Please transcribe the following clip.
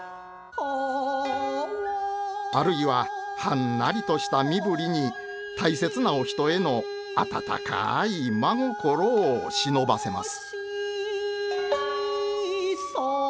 あるいははんなりとした身振りに大切なお人への温かい真心を忍ばせます。